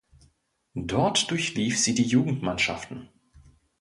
Dort durchlief sie die Jugendmannschaften.